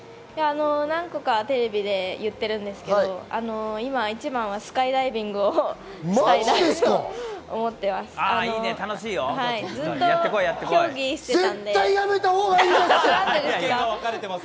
何回かテレビで言っているんですけれど、今一番はスカイダイビングをしたいです。